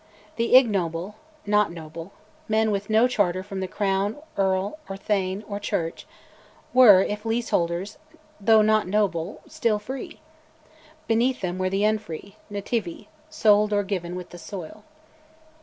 The "ignoble," "not noble," men with no charter from the Crown, or Earl, Thane, or Church, were, if lease holders, though not "noble," still "free." Beneath them were the "unfree" nativi, sold or given with the soil.